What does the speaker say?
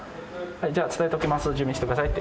じゃあ伝えておきます準備してくださいって。